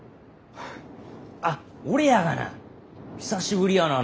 あっ俺やがな。